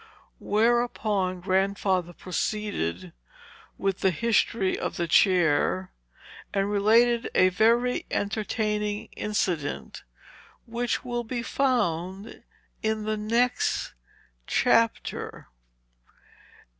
Whereupon, Grandfather proceeded with the history of the chair, and related a very entertaining incident, which will be found in the next chapter.